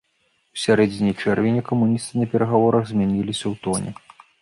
У сярэдзіне чэрвеня камуністы на перагаворах змяніліся ў тоне.